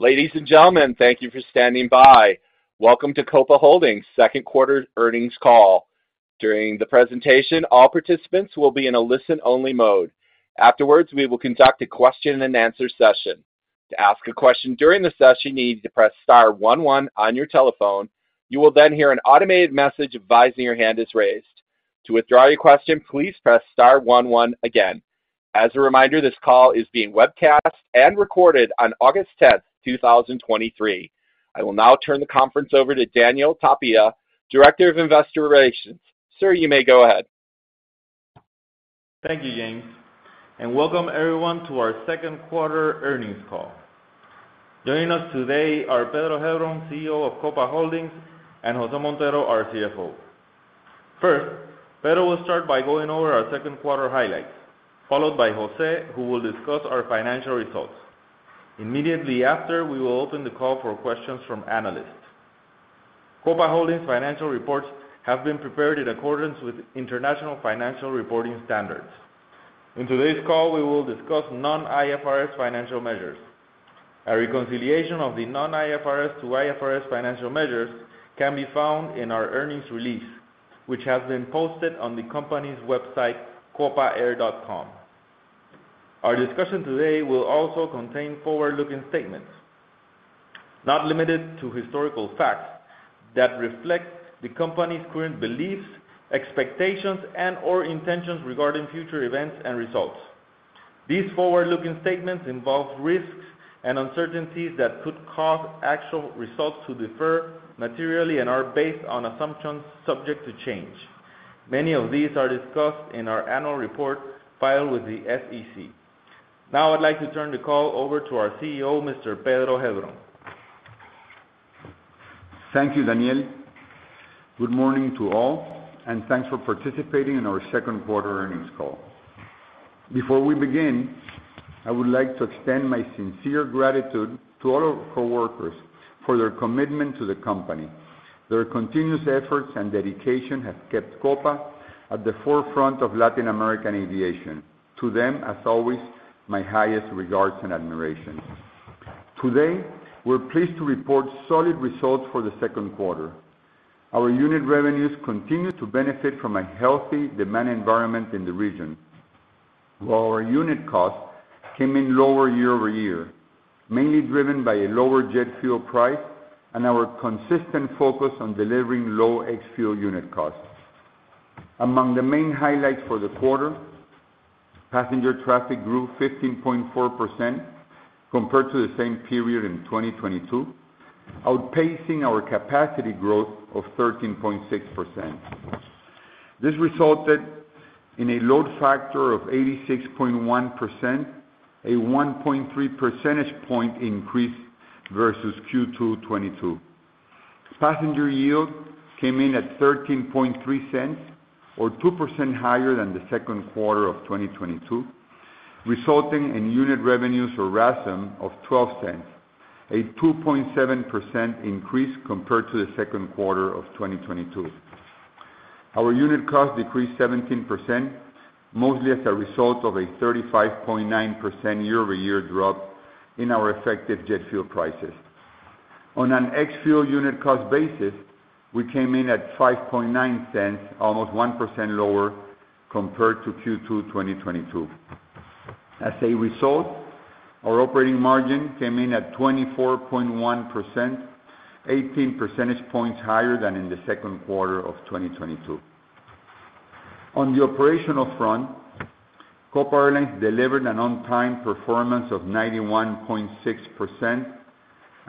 Ladies and gentlemen, thank you for standing by. Welcome to Copa Holdings Q2 earnings call. During the presentation, all participants will be in a listen-only mode. Afterwards, we will conduct a question-and-answer session. To ask a question during the session, you need to press star one one on your telephone. You will then hear an automated message advising your hand is raised. To withdraw your question, please press star one one again. As a reminder, this call is being webcast and recorded on August 10, 2023. I will now turn the conference over to Daniel Tapia, Director of Investor Relations. Sir, you may go ahead. Thank you, James. Welcome everyone to our Q2 earnings call. Joining us today are Pedro Heilbron, CEO of Copa Holdings, and José Montero, our CFO. First, Pedro will start by going over our Q2 highlights, followed by José, who will discuss our financial results. Immediately after, we will open the call for questions from analysts. Copa Holdings financial reports have been prepared in accordance with International Financial Reporting Standards. In today's call, we will discuss non-IFRS financial measures. A reconciliation of the non-IFRS to IFRS financial measures can be found in our earnings release, which has been posted on the company's website, copaair.com. Our discussion today will also contain forward-looking statements, not limited to historical facts, that reflect the company's current beliefs, expectations, and/or intentions regarding future events and results. These forward-looking statements involve risks and uncertainties that could cause actual results to differ materially and are based on assumptions subject to change. Many of these are discussed in our annual report filed with the SEC. I'd like to turn the call over to our CEO, Mr. Pedro Heilbron. Thank you, Daniel. Good morning to all, and thanks for participating in our Q2 earnings call. Before we begin, I would like to extend my sincere gratitude to all our coworkers for their commitment to the company. Their continuous efforts and dedication have kept Copa at the forefront of Latin American aviation. To them, as always, my highest regards and admiration. Today, we're pleased to report solid results for the Q2. Our unit revenues continue to benefit from a healthy demand environment in the region, while our unit costs came in lower year-over-year, mainly driven by a lower jet fuel price and our consistent focus on delivering low ex-fuel unit costs. Among the main highlights for the quarter, passenger traffic grew 15.4% compared to the same period in 2022, outpacing our capacity growth of 13.6%. This resulted in a load factor of 86.1%, a 1.3 percentage point increase versus Q2 2022. Passenger yield came in at $0.133, or 2% higher than the Q2 of 2022, resulting in unit revenues or RASM of $0.12, a 2.7% increase compared to the Q2 of 2022. Our unit cost decreased 17%, mostly as a result of a 35.9% year-over-year drop in our effective jet fuel prices. On an ex-fuel unit cost basis, we came in at $0.059, almost 1% lower compared to Q2 2022. As a result, our operating margin came in at 24.1%, 18 percentage points higher than in the Q2 of 2022. On the operational front, Copa Airlines delivered an on-time performance of 91.6%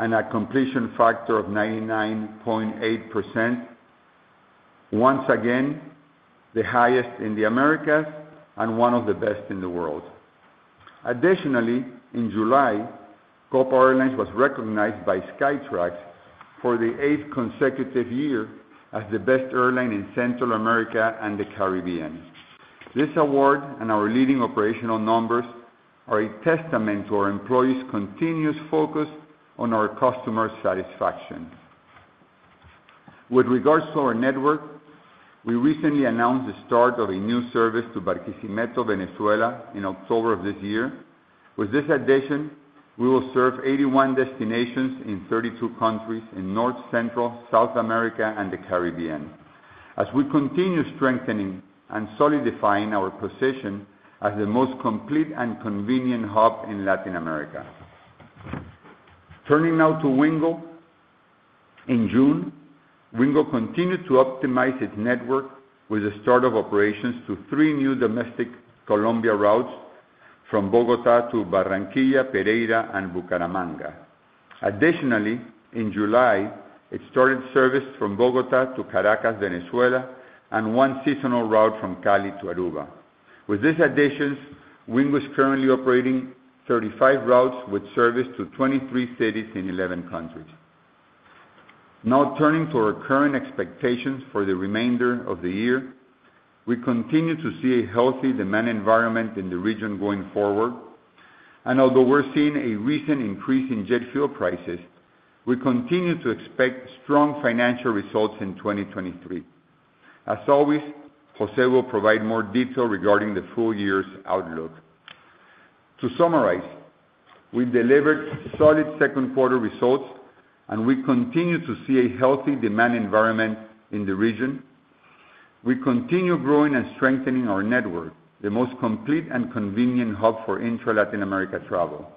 and a completion factor of 99.8%. Once again, the highest in the Americas and one of the best in the world. Additionally, in July, Copa Airlines was recognized by Skytrax for the 8th consecutive year as the best airline in Central America and the Caribbean. This award and our leading operational numbers are a testament to our employees' continuous focus on our customer satisfaction. With regards to our network, we recently announced the start of a new service to Barquisimeto, Venezuela, in October of this year. With this addition, we will serve 81 destinations in 32 countries in North Central, South America, and the Caribbean, as we continue strengthening and solidifying our position as the most complete and convenient hub in Latin America. Turning now to Wingo. In June, Wingo continued to optimize its network with the start of operations to three new domestic Colombia routes from Bogota to Barranquilla, Pereira, and Bucaramanga. Additionally, in July, it started service from Bogota to Caracas, Venezuela, and one seasonal route from Cali to Aruba. With these additions, Wingo is currently operating 35 routes with service to 23 cities in 11 countries. Now turning to our current expectations for the remainder of the year. We continue to see a healthy demand environment in the region going forward, and although we're seeing a recent increase in jet fuel prices, we continue to expect strong financial results in 2023. As always, José will provide more detail regarding the full year's outlook. To summarize, we delivered solid Q2 results, and we continue to see a healthy demand environment in the region. We continue growing and strengthening our network, the most complete and convenient hub for intra-Latin America travel.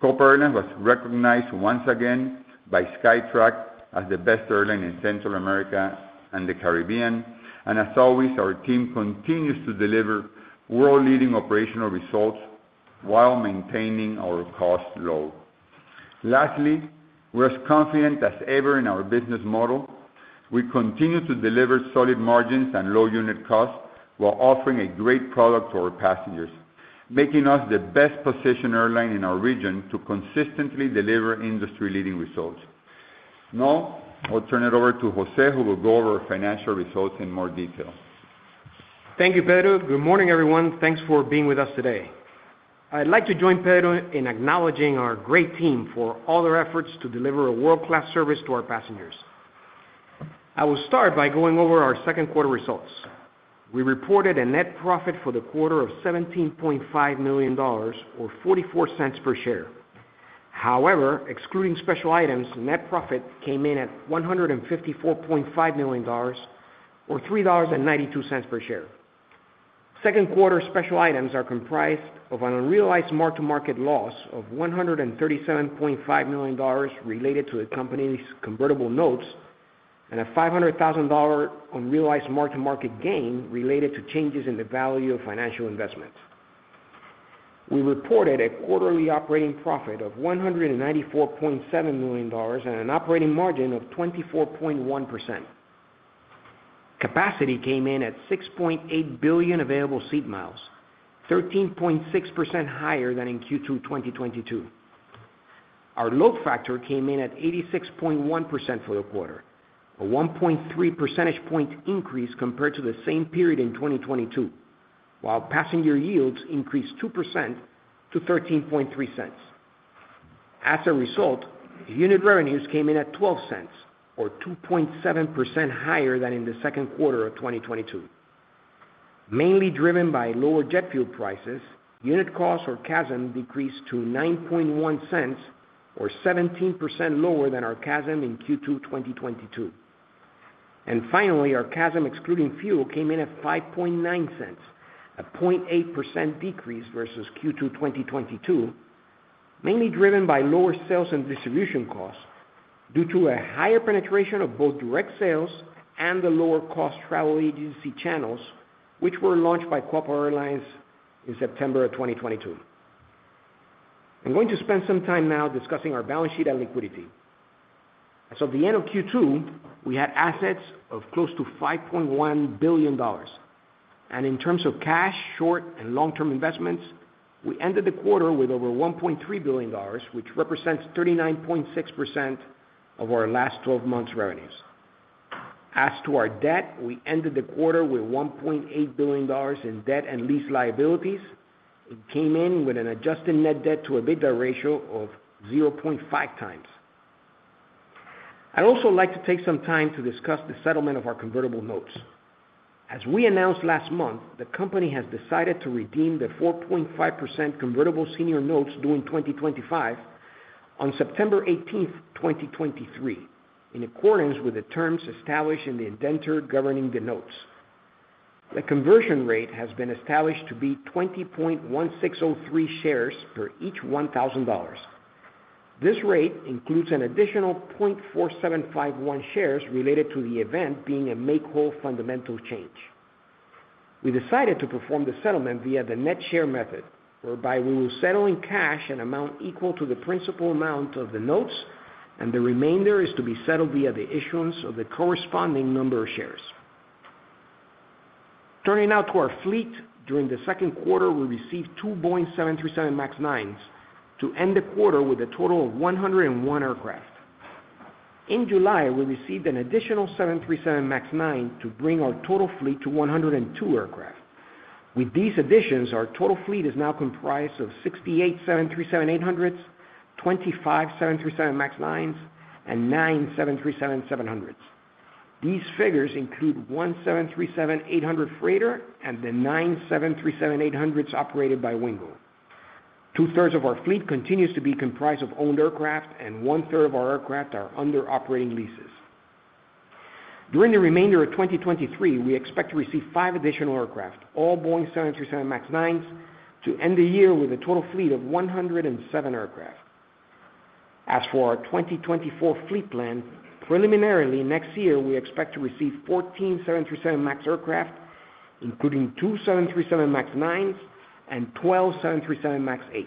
Copa Airlines was recognized once again by Skytrax as the best airline in Central America and the Caribbean, and as always, our team continues to deliver world-leading operational results while maintaining our cost low. Lastly, we're as confident as ever in our business model. We continue to deliver solid margins and low unit costs, while offering a great product for our passengers, making us the best-positioned airline in our region to consistently deliver industry-leading results. Now, I'll turn it over to José, who will go over our financial results in more detail. Thank you, Pedro. Good morning, everyone. Thanks for being with us today. I'd like to join Pedro in acknowledging our great team for all their efforts to deliver a world-class service to our passengers. I will start by going over our Q2 results. We reported a net profit for the quarter of $17.5 million, or $0.44 per share. However, excluding special items, net profit came in at $154.5 million, or $3.92 per share. Q2 special items are comprised of an unrealized mark-to-market loss of $137.5 million related to the company's convertible notes, and a $500,000 unrealized mark-to-market gain related to changes in the value of financial investments. We reported a quarterly operating profit of $194.7 million and an operating margin of 24.1%. Capacity came in at 6.8 billion available seat miles, 13.6% higher than in Q2 2022. Our load factor came in at 86.1% for the quarter, a 1.3 percentage point increase compared to the same period in 2022, while passenger yields increased 2% to $0.133. As a result, unit revenues came in at $0.12, or 2.7% higher than in the Q2 of 2022. Mainly driven by lower jet fuel prices, unit costs, or CASM, decreased to $0.091, or 17% lower than our CASM in Q2 2022. Finally, our CASM, excluding fuel, came in at $0.059, a 0.8% decrease versus Q2 2022, mainly driven by lower sales and distribution costs due to a higher penetration of both direct sales and the lower-cost travel agency channels, which were launched by Copa Airlines in September of 2022. I'm going to spend some time now discussing our balance sheet and liquidity. As of the end of Q2, we had assets of close to $5.1 billion, and in terms of cash, short and long-term investments, we ended the quarter with over $1.3 billion, which represents 39.6% of our last 12 months' revenues. As to our debt, we ended the quarter with $1.8 billion in debt and lease liabilities. It came in with an adjusted net debt to EBITDA ratio of 0.5x. I'd also like to take some time to discuss the settlement of our convertible notes. As we announced last month, the company has decided to redeem the 4.5% Convertible Senior Notes due in 2025 on September 18, 2023, in accordance with the terms established in the indenture governing the notes. The conversion rate has been established to be 20.1603 shares per each $1,000. This rate includes an additional 0.4751 shares related to the event being a make-whole fundamental change. We decided to perform the settlement via the net share method, whereby we will settle in cash an amount equal to the principal amount of the notes, and the remainder is to be settled via the issuance of the corresponding number of shares. Turning now to our fleet. During the Q2, we received two Boeing 737 MAX 9s to end the quarter with a total of 101 aircraft. In July, we received an additional 737 MAX 9 to bring our total fleet to 102 aircraft. With these additions, our total fleet is now comprised of 68 737-800s, 25 737 MAX 9s, and 9 737-700s. These figures include 1 737-800 Freighter and the 9 737-800s operated by Wingo. Two-thirds of our fleet continues to be comprised of owned aircraft, and one-third of our aircraft are under operating leases. During the remainder of 2023, we expect to receive five additional aircraft, all Boeing 737 MAX 9s, to end the year with a total fleet of 107 aircraft. As for our 2024 fleet plan, preliminarily, next year, we expect to receive 14 737 MAX aircraft, including 2 737 MAX 9s and 12 737 MAX 8s.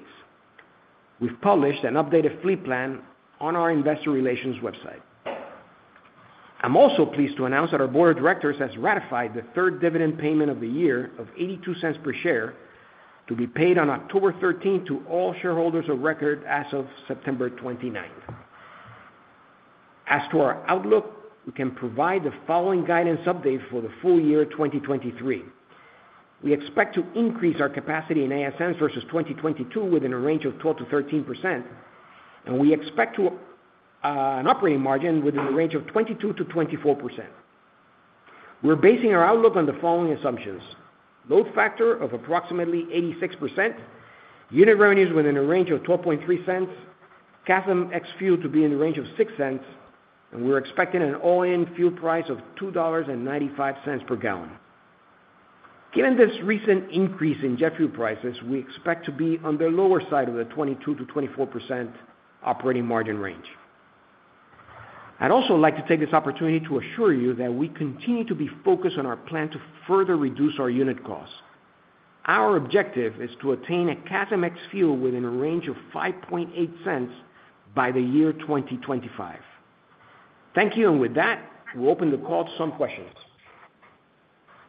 We've published an updated fleet plan on our investor relations website. I'm also pleased to announce that our board of directors has ratified the third dividend payment of the year of $0.82 per share, to be paid on October 13th to all shareholders of record as of September 29th. As to our outlook, we can provide the following guidance update for the full year 2023. We expect to increase our capacity in ASMs versus 2022 within a range of 12%-13%, and we expect an operating margin within the range of 22%-24%. We're basing our outlook on the following assumptions: load factor of approximately 86%, unit revenues within a range of $0.123, CASM ex-fuel to be in the range of $0.06, and we're expecting an all-in fuel price of $2.95 per gallon. Given this recent increase in jet fuel prices, we expect to be on the lower side of the 22%-24% operating margin range. I'd also like to take this opportunity to assure you that we continue to be focused on our plan to further reduce our unit costs. Our objective is to attain a CASM ex-fuel within a range of $0.058 by the year 2025. Thank you. With that, we'll open the call to some questions.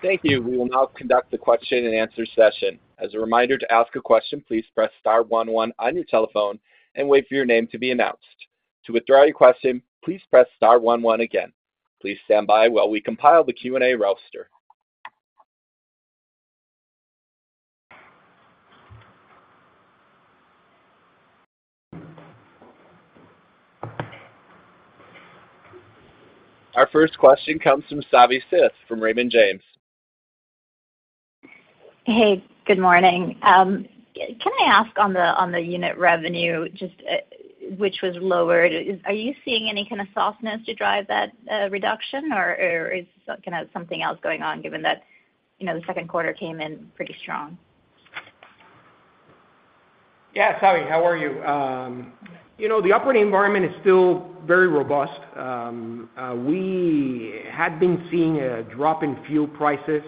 Thank you. We will now conduct the question and answer session. As a reminder, to ask a question, please press star one one on your telephone and wait for your name to be announced. To withdraw your question, please press star one one again. Please stand by while we compile the Q&A roster. Our first question comes from Savanthi Syth from Raymond James. Hey, good morning. Can I ask on the, on the unit revenue, just, which was lowered, are you seeing any kind of softness to drive that reduction, or, or is kind of something else going on, given that, you know, the Q2 came in pretty strong? Yeah, Savi, how are you? You know, the operating environment is still very robust. We had been seeing a drop in fuel prices,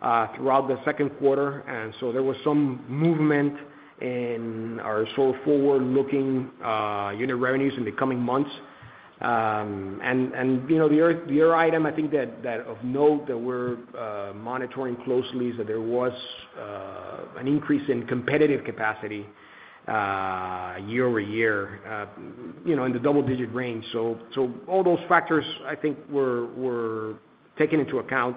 throughout the Q2. There was some movement in our so forward-looking, unit revenues in the coming months. You know, the other, the other item, I think that, that of note that we're, monitoring closely is that there was, an increase in competitive capacity, year-over-year, you know, in the double-digit range. All those factors, I think, were, were taken into account,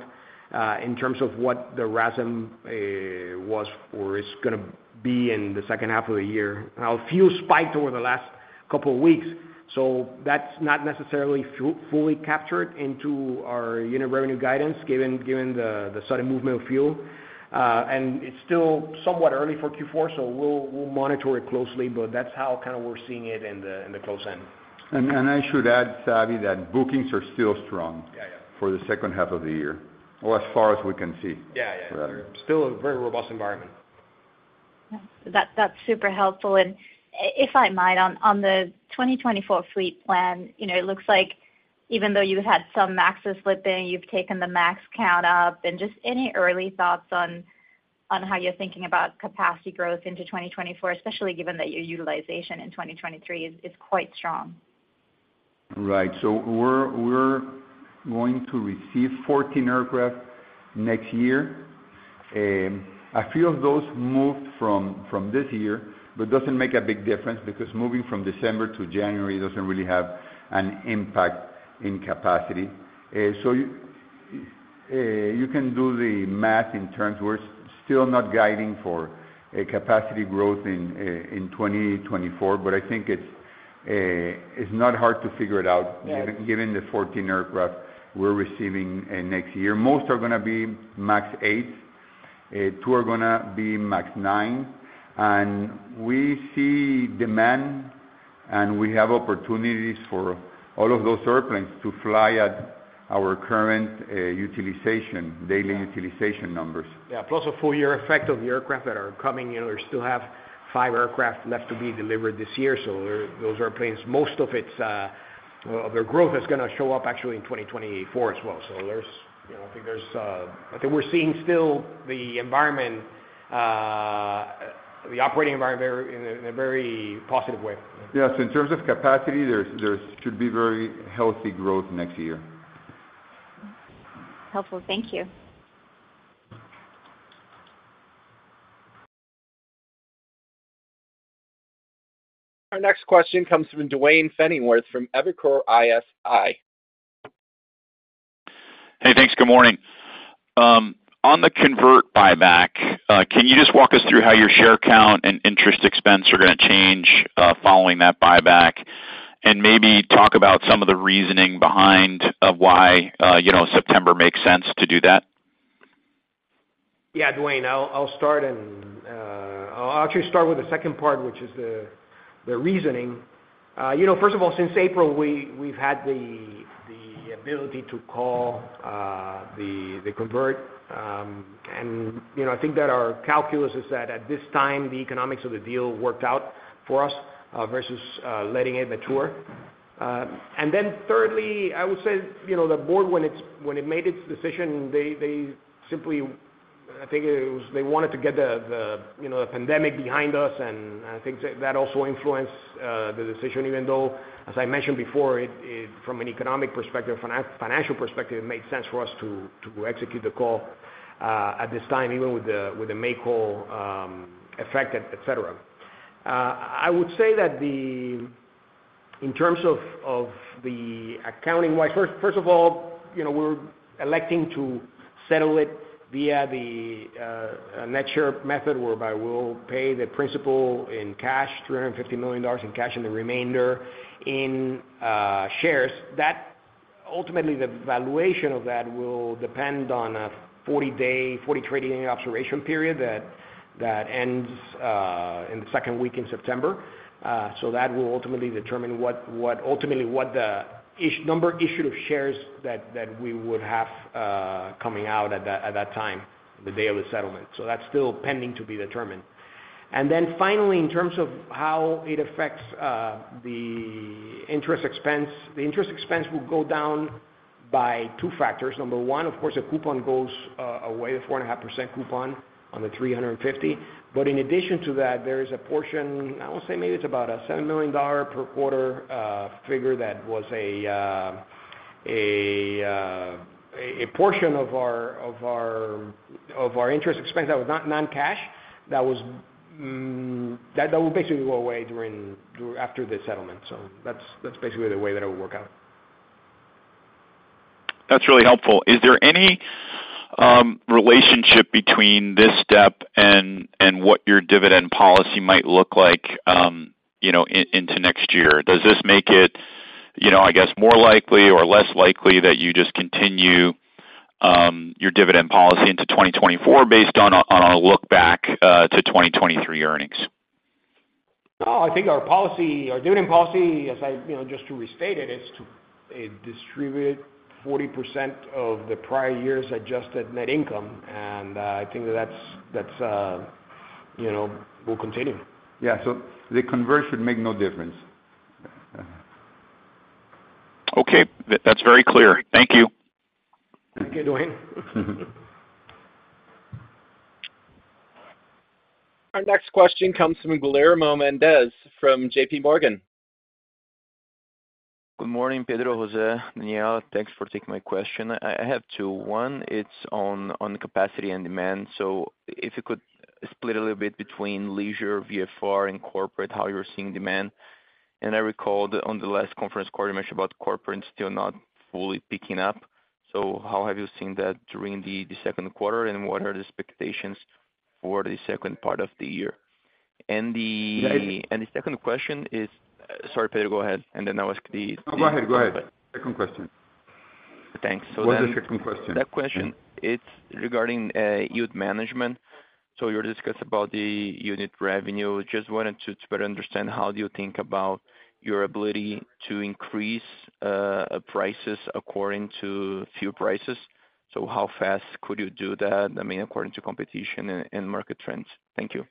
in terms of what the RASM, was for- is gonna be in the H2 of the year. Fuel spiked over the last couple of weeks, so that's not necessarily fully captured into our unit revenue guidance, given the sudden movement of fuel. It's still somewhat early for Q4, so we'll monitor it closely, but that's how kind of we're seeing it in the close end. And I should add, Savi, that bookings are still strong- Yeah, yeah. For the H2 of the year, or as far as we can see. Yeah, yeah. Right. Still a very robust environment. That, that's super helpful. If I might, on, on the 2024 fleet plan, you know, it looks like even though you've had some MAXs slipping, you've taken the MAX count up. Just any early thoughts on, on how you're thinking about capacity growth into 2024, especially given that your utilization in 2023 is, is quite strong. Right. We're going to receive 14 aircraft next year. A few of those moved from, from this year, but doesn't make a big difference because moving from December to January doesn't really have an impact in capacity. You can do the math in terms, we're still not guiding for a capacity growth in 2024, but I think it's not hard to figure it out. Yes Given, given the 14 aircraft we're receiving, next year. Most are gonna be MAX 8, two are gonna be MAX 9. We see demand, and we have opportunities for all of those airplanes to fly at our current, utilization, daily utilization numbers. Yeah. Plus, a full year effect of the aircraft that are coming in. We still have five aircraft left to be delivered this year, so those airplanes, most of it's of their growth is gonna show up actually in 2024 as well. There's, you know, I think there's I think we're seeing still the environment, the operating environment very, in a, in a very positive way. Yes, in terms of capacity, there should be very healthy growth next year. Helpful. Thank you. Our next question comes from Duane Pfennigwerth from Evercore ISI. Hey, thanks. Good morning. On the convert buyback, can you just walk us through how your share count and interest expense are gonna change, following that buyback? Maybe talk about some of the reasoning behind, why, you know, September makes sense to do that. Yeah, Duane, I'll, I'll start. I'll actually start with the second part, which is the, the reasoning. You know, first of all, since April, we've had the, the ability to call the, the convert. You know, I think that our calculus is that at this time, the economics of the deal worked out for us versus letting it mature. Then thirdly, I would say, you know, the board, when it made its decision, they simply, I think it was, they wanted to get the, you know, the pandemic behind us, and I think that also influenced the decision, even though, as I mentioned before, it from an economic perspective, financial perspective, it made sense for us to execute the call at this time, even with the make-call effect, et cetera. In terms of the accounting-wise, first, first of all, you know, we're electing to settle it via the net share method, whereby we'll pay the principal in cash, $350 million in cash, and the remainder in shares. That ultimately, the valuation of that will depend on a 40-day, 40 trading observation period that, that ends in the second week in September. So that will ultimately determine what, what ultimately, what the number issued of shares that, that we would have coming out at that, at that time, the day of the settlement. So that's still pending to be determined. Then finally, in terms of how it affects the interest expense, the interest expense will go down by two factors. Number one, of course, the coupon goes away, the 4.5% coupon on the $350 million. In addition to that, there is a portion, I would say maybe it's about a $7 million per quarter figure that was a portion of our, of our, of our interest expense that was not non-cash. That was, that, that will basically go away during, after the settlement. That's, that's basically the way that it will work out. That's really helpful. Is there any relationship between this step and, and what your dividend policy might look like, you know, into next year? Does this make it, you know, I guess, more likely or less likely that you just continue your dividend policy into 2024 based on a look back to 2023 earnings? No, I think our policy, our dividend policy, You know, just to restate it, it's to distribute 40% of the prior year's adjusted net income, and I think that's, that's, you know, will continue. Yeah. The conversion make no difference. Okay. That's very clear. Thank you. Thank you, Duane. Our next question comes from Guilherme Mendes from JP Morgan. Good morning, Pedro, José, Daniel. Thanks for taking my question. I, I have two. One, it's on, on capacity and demand. If you could split a little bit between leisure, VFR, and corporate, how you're seeing demand. I recall on the last conference call, you mentioned about corporate still not fully picking up. How have you seen that during the, the Q2, and what are the expectations for the second part of the year? Yeah. The second question is. Sorry, Pedro, go ahead, and then I'll ask the second one. No, go ahead. Go ahead. Second question. Thanks. What's the second question? That question, it's regarding yield management. You're discussing about the unit revenue. Just wanted to better understand, how do you think about your ability to increase prices according to fuel prices? How fast could you do that, I mean, according to competition and market trends? Thank you.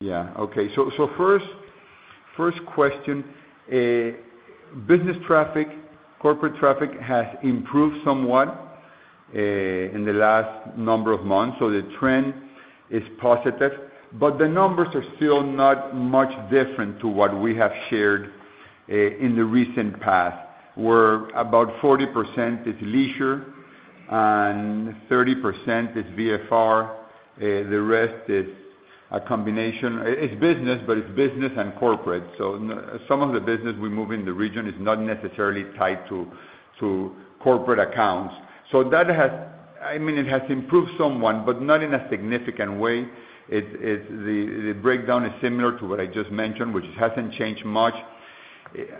Yeah. Okay. First, first question, business traffic, corporate traffic has improved somewhat in the last number of months, so the trend is positive. The numbers are still not much different to what we have shared in the recent past, where about 40% is leisure and 30% is VFR, the rest is a combination. It's business, but it's business and corporate. Some of the business we move in the region is not necessarily tied to corporate accounts. I mean, it has improved somewhat, but not in a significant way. The breakdown is similar to what I just mentioned, which hasn't changed much.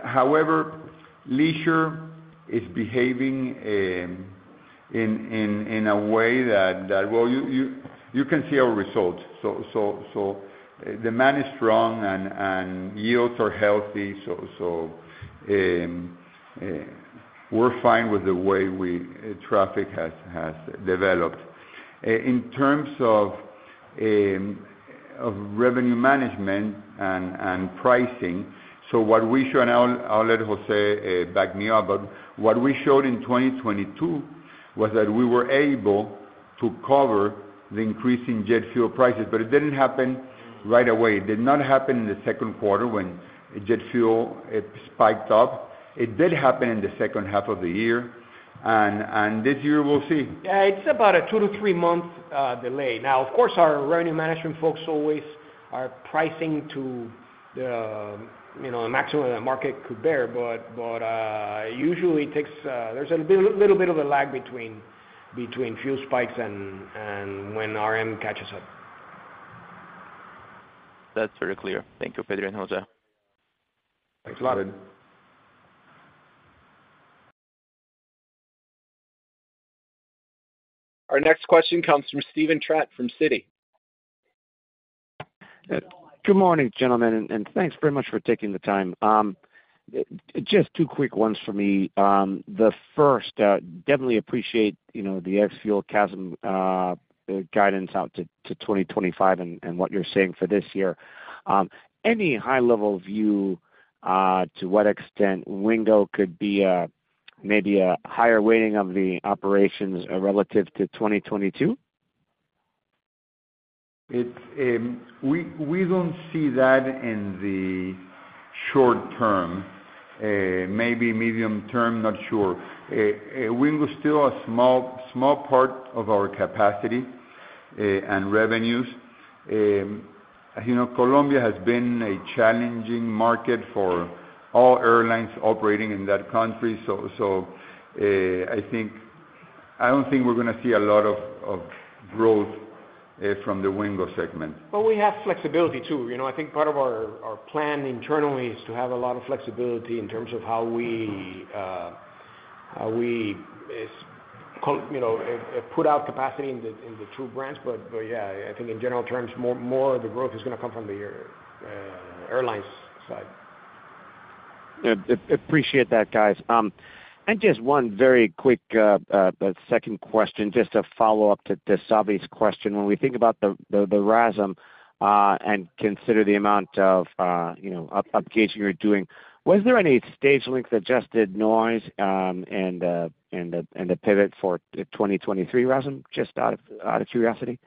However, leisure is behaving in a way that. Well, you, you, you can see our results. Demand is strong and, and yields are healthy, we're fine with the way traffic has developed. In terms of revenue management and, and pricing, what we show, and I'll let José back me up, but what we showed in 2022 was that we were able to cover the increase in jet fuel prices. It didn't happen right away. It did not happen in the Q2 when jet fuel, it spiked up. It did happen in the H2 of the year. This year, we'll see. Yeah, it's about a two to three month delay. Now, of course, our revenue management folks always are pricing to the, you know, the maximum the market could bear, but usually takes, there's a little bit of a lag between fuel spikes and when RM catches up. That's very clear. Thank you, Pedro and José. Thanks a lot. Our next question comes from Steven Trent, from Citi. Good morning, gentlemen, and thanks very much for taking the time. Just two quick ones for me. The first, definitely appreciate, you know, the CASM ex-fuel guidance out to 2025 and what you're seeing for this year. Any high-level view to what extent Wingo could be a, maybe a higher weighting of the operations relative to 2022? It's, we, we don't see that in the short term. Maybe medium term, not sure. Wingo is still a small, small part of our capacity, and revenues. You know, Colombia has been a challenging market for all airlines operating in that country. I think, I don't think we're gonna see a lot of, of growth, from the Wingo segment. We have flexibility, too. You know, I think part of our, our plan internally is to have a lot of flexibility in terms of how we, you know, put out capacity in the two brands. Yeah, I think in general terms, more, more of the growth is gonna come from the airlines side. Yeah. Appreciate that, guys. Just one very quick, second question, just a follow-up to Savi's question. When we think about the, the, the RASM, and consider the amount of, you know, updation you're doing, was there any stage length adjusted noise, and the, and the pivot for the 2023 RASM? Just out of, out of curiosity.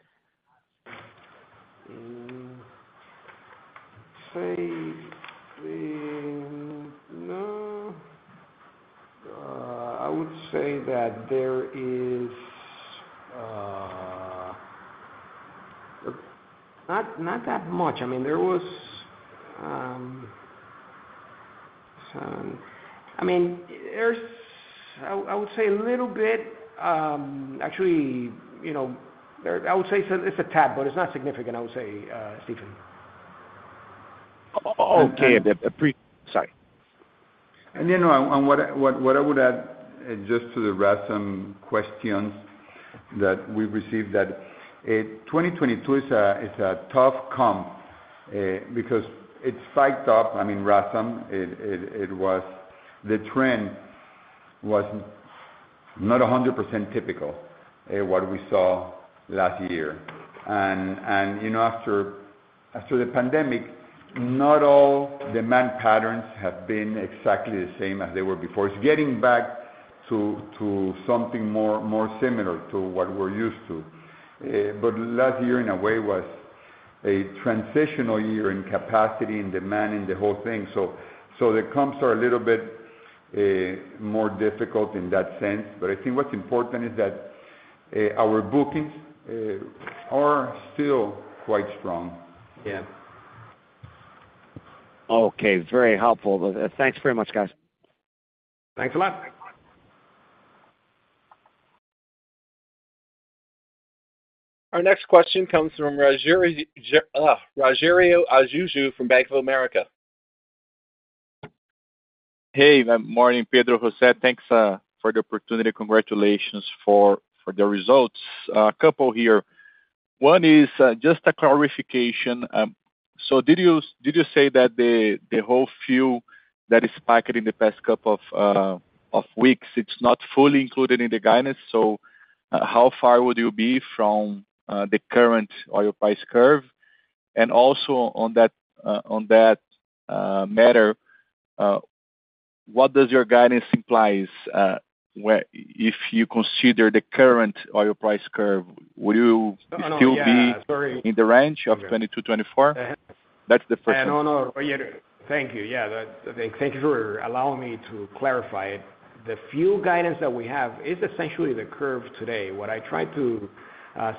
Say, no. I would say that there is not, not that much. I mean, there was. I mean, I, I would say a little bit, actually, you know, I would say it's a, it's a tad, but it's not significant, I would say, Steven. Okay. Appreciate. Sorry. You know, what I would add just to the RASM questions that we received, that 2022 is a tough comp because it's psyched up. I mean, RASM, the trend was not 100% typical what we saw last year. You know, after the pandemic, not all demand patterns have been exactly the same as they were before. It's getting back to something more similar to what we're used to. But last year, in a way, was a transitional year in capacity and demand, and the whole thing. The comps are a little bit, eh, more difficult in that sense. I think what's important is that our bookings are still quite strong. Yeah. Okay. Very helpful. Thanks very much, guys. Thanks a lot. Our next question comes from Ugh! Rogério Araújo from Bank of America. Hey, good morning, Pedro, José. Thanks, for the opportunity. Congratulations for the results. A couple here. One is just a clarification. Did you say that the whole fuel that is spiked in the past couple of weeks, it's not fully included in the guidance? How far would you be from the current oil price curve? Also on that matter, what does your guidance implies, where- if you consider the current oil price curve, will you- No, no, yeah, sorry. Still be in the range of 22%-24%? That's the first one. No, no. Thank you. Yeah, that- thank you for allowing me to clarify. The fuel guidance that we have is essentially the curve today. What I tried to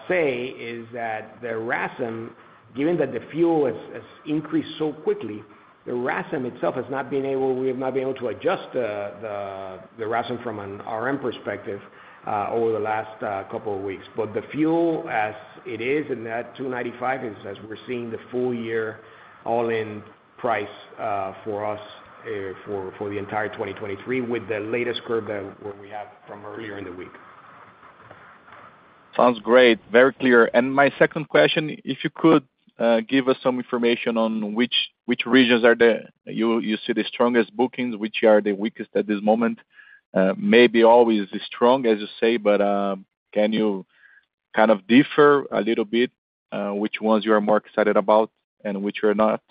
say is that the RASM, given that the fuel has, has increased so quickly, the RASM itself, we have not been able to adjust the, the RASM from an RM perspective over the last couple of weeks. The fuel, as it is, and that $2.95, is as we're seeing the full year all in price for us, for, for the entire 2023, with the latest curve that what we have from earlier in the week. Sounds great. Very clear. My second question, if you could give us some information on which, which regions are the... You, you see the strongest bookings, which are the weakest at this moment? Maybe always strong, as you say, but can you kind of differ a little bit which ones you are more excited about and which you're not?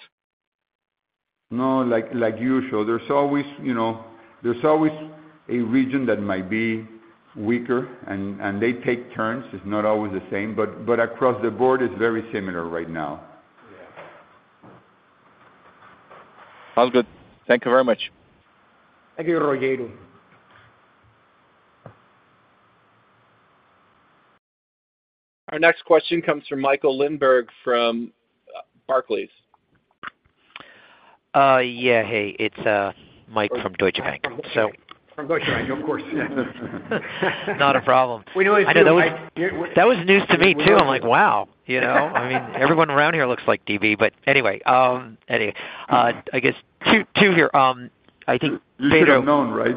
No, like, like usual, there's always, you know, there's always a region that might be weaker, and, and they take turns. It's not always the same, but, but across the board, it's very similar right now. Yeah. Sounds good. Thank you very much. Thank you, Rogério. Our next question comes from Michael Linenberg, from Barclays. Yeah. Hey, it's Mike from Deutsche Bank. From Deutsche Bank, of course. Not a problem. We know it. That was news to me, too. I'm like, wow, you know. I mean, everyone around here looks like D.B., but anyway, anyway, I guess two, two here. I think Pedro- You should have known, right?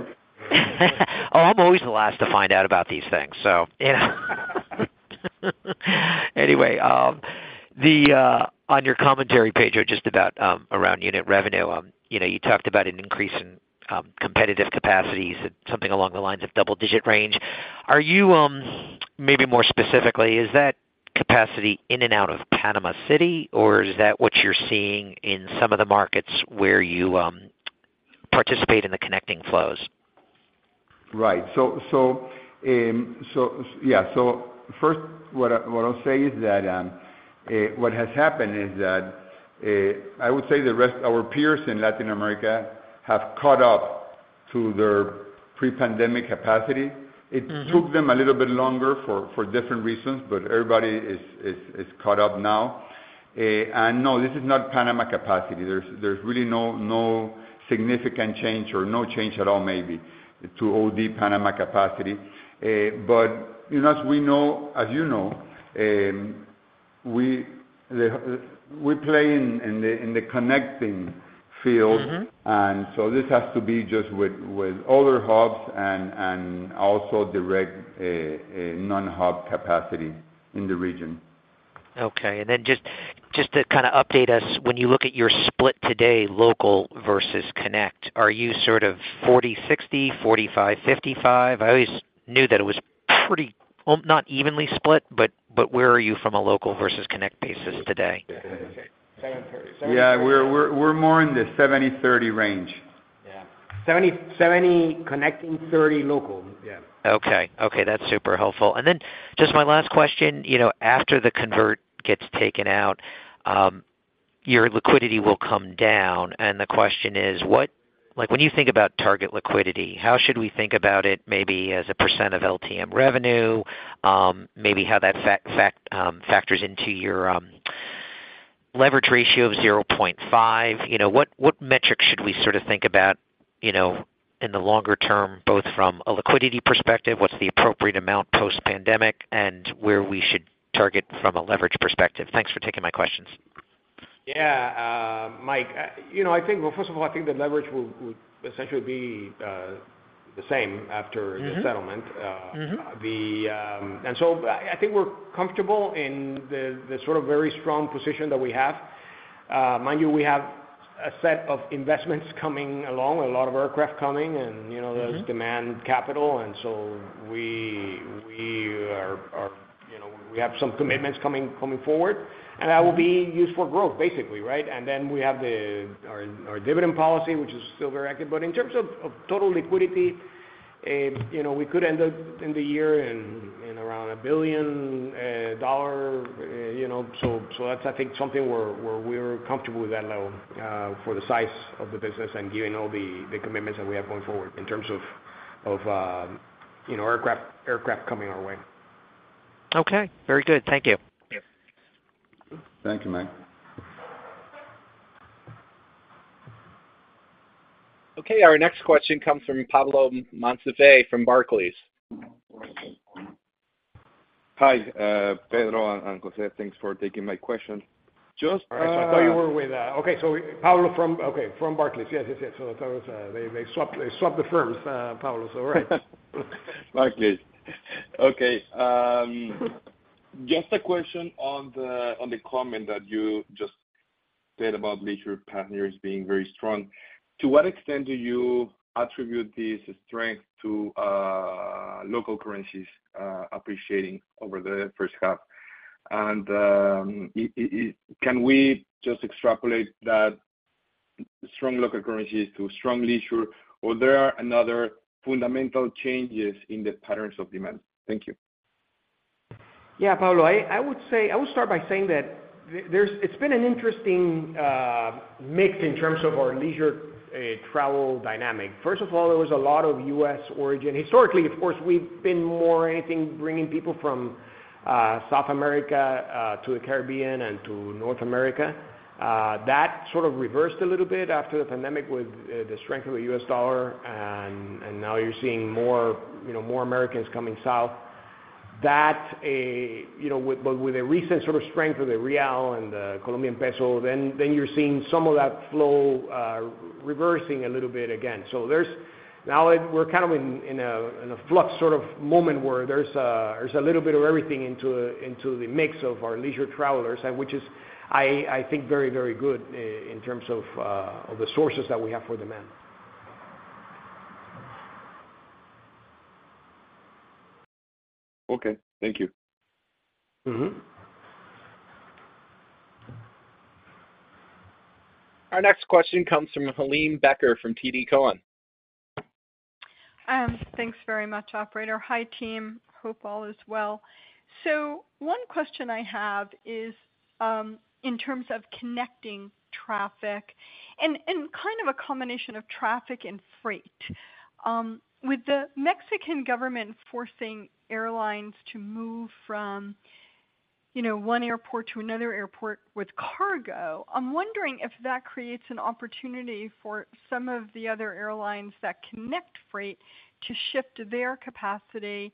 Oh, I'm always the last to find out about these things, so yeah. Anyway, on your commentary page, or just about, around unit revenue, you know, you talked about an increase in competitive capacities and something along the lines of double-digit range. Are you, maybe more specifically, is that capacity in and out of Panama City, or is that what you're seeing in some of the markets where you participate in the connecting flows? Right. So, so, yeah. First, what I, what I'll say is that, what has happened is that, I would say the rest, our peers in Latin America have caught up to their pre-pandemic capacity. It took them a little bit longer for, for different reasons, but everybody is, is, is caught up now. No, this is not Panama capacity. There's, there's really no, no significant change or no change at all maybe to OD Panama capacity. You know, as we know, as you know, we, the, we play in, in the, in the connecting field. Mm-hmm. So this has to be just with, with other hubs and, and also direct, non-hub capacity in the region. Okay. Then just, just to kind of update us, when you look at your split today, local versus connect, are you sort of 40/60, 45/55? I always knew that it was pretty, well, not evenly split, but, but where are you from a local versus connect basis today? Yeah, we're, we're, we're more in the 70/30 range. Yeah. 70, 70 connecting, 30 local. Yeah. Okay. Okay, that's super helpful. Just my last question, you know, after the convert gets taken out, your liquidity will come down. The question is, what, like, when you think about target liquidity, how should we think about it maybe as a % of LTM revenue? Maybe how that fact factors into your leverage ratio of 0.5. You know, what, what metrics should we sort of think about, you know, in the longer term, both from a liquidity perspective, what's the appropriate amount post-pandemic, and where we should target from a leverage perspective? Thanks for taking my questions. Yeah. Mike, you know, I think, well, first of all, I think the leverage will, would essentially be, the same after- Mm-hmm The settlement. Mm-hmm. So I, I think we're comfortable in the, the sort of very strong position that we have. Mind you, we have a set of investments coming along, a lot of aircraft coming and, you know... Mm-hmm There's demand capital, and so we, we are, are, you know, we have some commitments coming, coming forward, and that will be used for growth, basically, right? And then we have the, our, our dividend policy, which is still very active. But in terms of, of total liquidity, you know, we could end up in the year in, in around $1 billion, you know, so, so that's, I think, something where, where we're comfortable with that level, for the size of the business and given all the, the commitments that we have going forward in terms of, of, you know, aircraft, aircraft coming our way. Okay, very good. Thank you. Yeah. Thank you, Mike. Okay, our next question comes from Pablo Monsivais from Barclays. Hi, Pedro and, and José, thanks for taking my question. Just- I thought you were with. Okay, Pablo from, okay, from Barclays. Yes, yes, yes. Pablo, they, they swapped, they swapped the firms, Pablo, all right. Barclays. Okay, just a question on the, on the comment that you just said about leisure partners being very strong. To what extent do you attribute this strength to, local currencies, appreciating over the H1? Can we just extrapolate that strong local currencies to strong leisure, or there are another fundamental changes in the patterns of demand? Thank you. Yeah, Pablo, I, I would say- I will start by saying that there's been an interesting mix in terms of our leisure travel dynamic. First of all, there was a lot of U.S. origin. Historically, of course, we've been more anything, bringing people from South America to the Caribbean and to North America. That sort of reversed a little bit after the pandemic with the strength of the U.S. dollar, and, and now you're seeing more, you know, more Americans coming south. That, you know, with, but with a recent sort of strength of the real and the Colombian peso, then, then you're seeing some of that flow reversing a little bit again. There's now we're kind of in a flux sort of moment where there's a, there's a little bit of everything into, into the mix of our leisure travelers, and which is, I, I think, very, very good in terms of the sources that we have for demand. Okay, thank you. Mm-hmm. Our next question comes from Helane Becker, from TD Cowen. Thanks very much, operator. Hi, team. Hope all is well. One question I have is, in terms of connecting traffic and, and kind of a combination of traffic and freight. With the Mexican government forcing airlines to move from, you know, one airport to another airport with cargo, I'm wondering if that creates an opportunity for some of the other airlines that connect freight to shift their capacity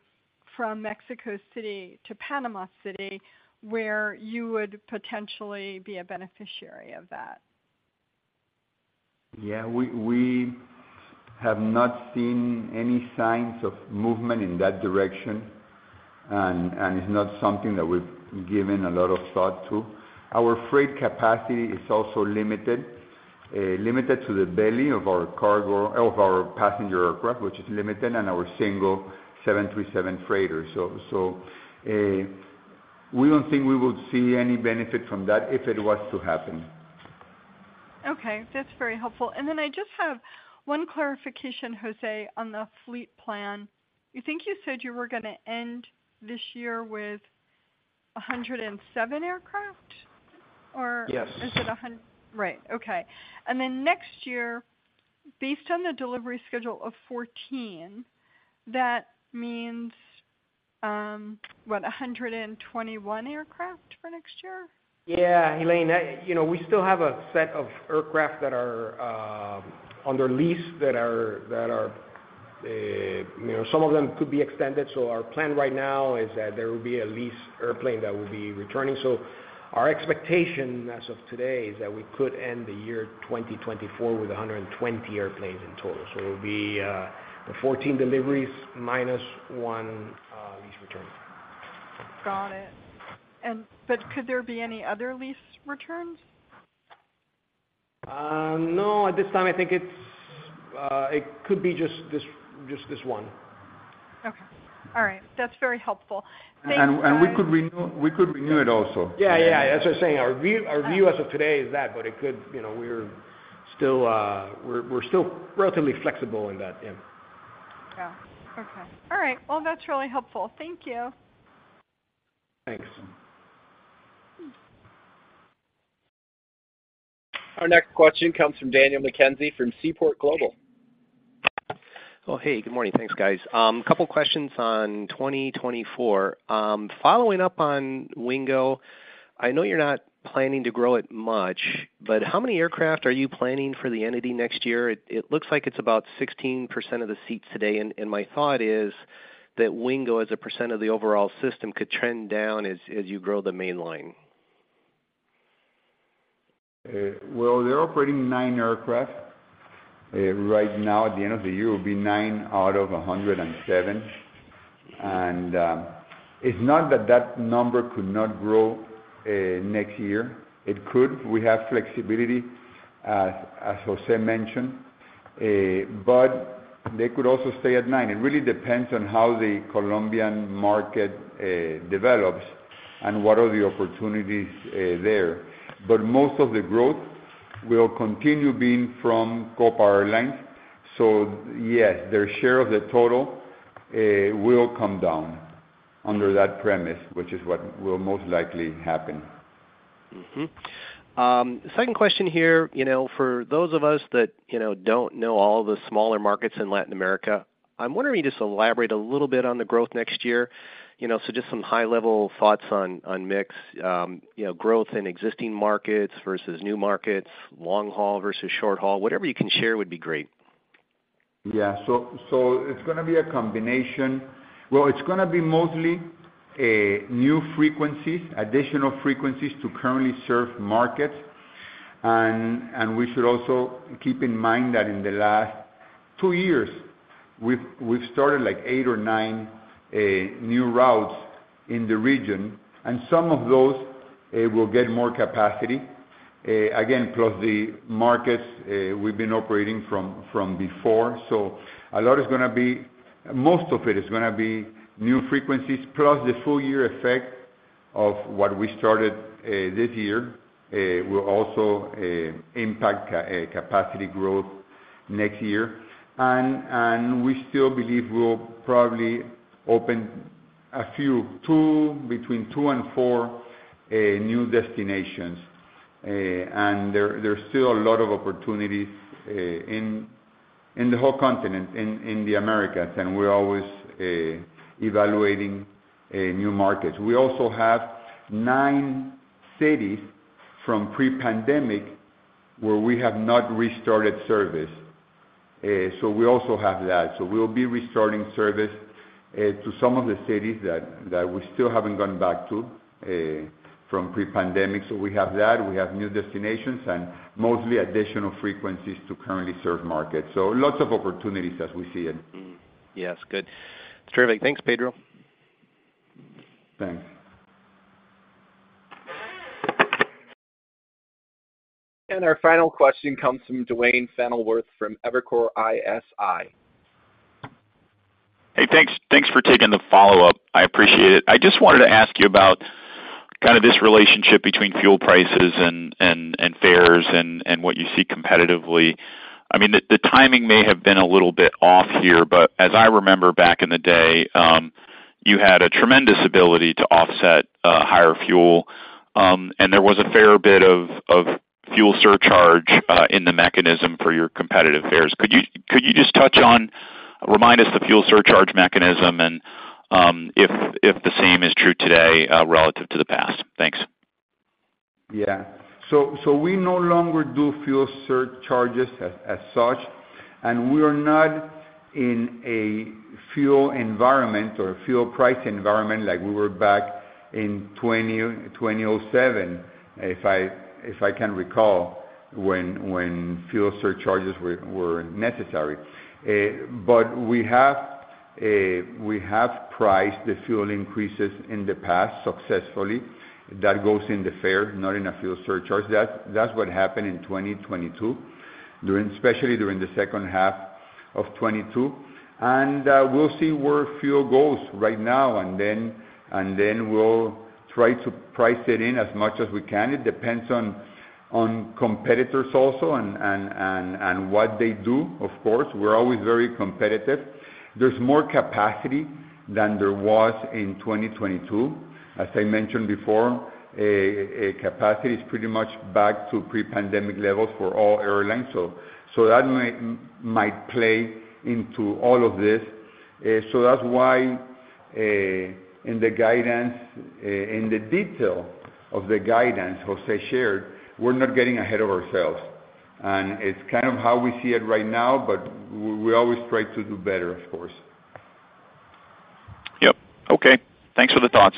from Mexico City to Panama City, where you would potentially be a beneficiary of that. Yeah, we, we have not seen any signs of movement in that direction, and it's not something that we've given a lot of thought to. Our freight capacity is also limited, limited to the belly of our passenger aircraft, which is limited, and our single 737 freighter. We don't think we would see any benefit from that if it was to happen. Okay, that's very helpful. I just have one clarification, José, on the fleet plan. You think you said you were gonna end this year with 107 aircraft? Yes. Is it right. Okay, then next year, based on the delivery schedule of 14, that means, what? 121 aircraft for next year? Yeah, Elaine, you know, we still have a set of aircraft that are under lease that are, that are, you know, some of them could be extended. Our plan right now is that there will be a lease airplane that will be returning. Our expectation as of today, is that we could end the year 2024 with 120 airplanes in total. It will be, the 14 deliveries minus 1, lease return. Got it. Could there be any other lease returns? No, at this time, I think it's, it could be just, just, just this one. Okay. All right. That's very helpful. Thanks, guys. We could renew, we could renew it also. Yeah, yeah. As I was saying, our view, our view as of today is that, it could... You know, we're still relatively flexible in that end. Yeah. Okay. All right. Well, that's really helpful. Thank you. Thanks. Our next question comes from Daniel McKenzie, from Seaport Global. Well, hey, good morning. Thanks, guys. A couple questions on 2024. Following up on Wingo, I know you're not planning to grow it much, but how many aircraft are you planning for the entity next year? It, it looks like it's about 16% of the seats today, and my thought is that Wingo, as a percent of the overall system, could trend down as, as you grow the mainline. Well, they're operating nine aircraft. Right now, at the end of the year, it will be nine out of 107. It's not that that number could not grow, next year. It could. We have flexibility, as, as José mentioned, but they could also stay at nine. It really depends on how the Colombian market develops and what are the opportunities there. Most of the growth will continue being from Copa Airlines. Yes, their share of the total will come down under that premise, which is what will most likely happen. Second question here, you know, for those of us that, you know, don't know all the smaller markets in Latin America, I'm wondering if you could just elaborate a little bit on the growth next year. You know, just some high-level thoughts on, on mix, you know, growth in existing markets versus new markets, long haul versus short haul. Whatever you can share would be great. Yeah. So it's gonna be a combination. Well, it's gonna be mostly new frequencies, additional frequencies to currently serve markets. We should also keep in mind that in the last two years, we've started, like, eight or nine new routes in the region, and some of those will get more capacity. Again, plus the markets we've been operating from before. A lot is gonna be. Most of it is gonna be new frequencies, plus the full year effect of what we started this year will also impact capacity growth next year. We still believe we'll probably open a few, two, between two and four new destinations. There, there's still a lot of opportunities, in, in the whole continent, in, in the Americas, and we're always, evaluating, new markets. We also have nine cities from pre-pandemic where we have not restarted service, so we also have that. We'll be restarting service, to some of the cities that, that we still haven't gone back to, from pre-pandemic. We have that. We have new destinations and mostly additional frequencies to currently serve markets, so lots of opportunities as we see it. Yes. Good. It's terrific. Thanks, Pedro. Thanks. Our final question comes from Duane Pfennigwerth from Evercore ISI. Hey, thanks, thanks for taking the follow-up. I appreciate it. I just wanted to ask you about this relationship between fuel prices and fares and what you see competitively. I mean, the timing may have been a little bit off here, but as I remember back in the day, you had a tremendous ability to offset higher fuel. There was a fair bit of fuel surcharge in the mechanism for your competitive fares. Could you just touch on... Remind us the fuel surcharge mechanism and if the same is true today relative to the past? Thanks. Yeah. so we no longer do fuel surcharges as, as such, and we are not in a fuel environment or a fuel price environment like we were back in 2007, if I, if I can recall, when, when fuel surcharges were, were necessary. But we have, we have priced the fuel increases in the past successfully. That goes in the fare, not in a fuel surcharge. That, that's what happened in 2022, during- especially during the H2 of 22. We'll see where fuel goes right now, and then, and then we'll try to price it in as much as we can. It depends on, on competitors also and, and, and, and what they do, of course. We're always very competitive. There's more capacity than there was in 2022. As I mentioned before, capacity is pretty much back to pre-pandemic levels for all airlines, so that might, might play into all of this. That's why, in the guidance, in the detail of the guidance José shared, we're not getting ahead of ourselves, and it's kind of how we see it right now, but we always try to do better, of course. Yep. Okay. Thanks for the thoughts.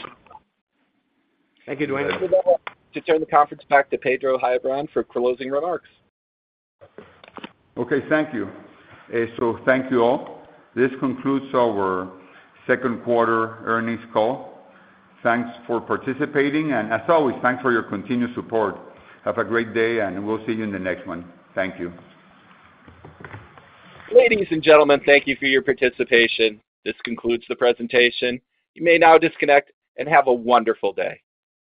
Thank you, Duane. To turn the conference back to Pedro Heilbron for closing remarks. Okay, thank you. Thank you, all. This concludes our Q2 earnings call. Thanks for participating, and as always, thanks for your continued support. Have a great day, and we'll see you in the next one. Thank you. Ladies and gentlemen, thank you for your participation. This concludes the presentation. You may now disconnect and have a wonderful day.